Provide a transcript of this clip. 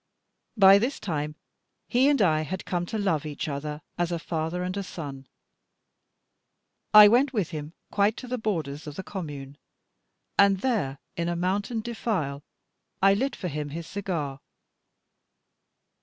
By this time he and I had come to love each other, as a father and a son. I went with him quite to the borders of the commune; and there, in a mountain defile, I lit for him his cigar.